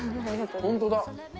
本当だ。